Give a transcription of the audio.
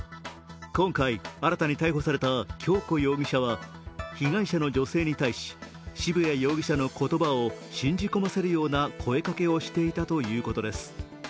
今回、新たに逮捕された恭子容疑者は被害者の女性に対し渋谷容疑者の言葉を信じ込ませるような声かけをしていたということです。